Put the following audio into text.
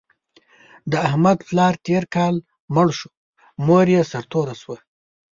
د احمد پلار تېر کال مړ شو، مور یې سرتوره شوه.